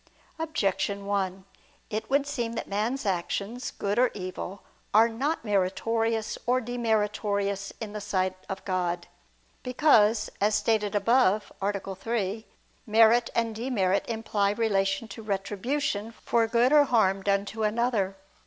Objection 1: It would seem that man's actions, good or evil, are not meritorious or demeritorious in the sight of God. Because, as stated above (A. 3), merit and demerit imply relation to retribution for good or harm done to another.